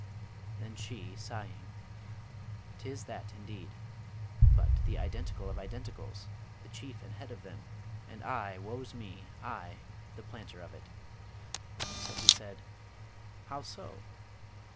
Then she, sighing, ''Tis that indeed! but the Identical of Identicals, the chief and head of them, and I, woe's me! I, the planter of it.' So he said, 'How so?'